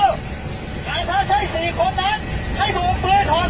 อย่าอย่าอย่าอย่าอย่าอย่าอย่าอย่าอย่าอย่าอย่าอย่าอย่าอย่าอย่าอย่า